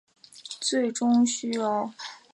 最终需要举行长久的筹组联合政府谈判。